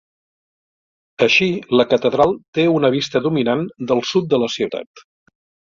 Així, la catedral té una vista dominant del sud de la ciutat.